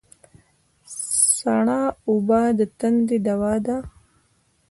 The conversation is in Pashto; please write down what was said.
سړه اوبه د تندې دوا ده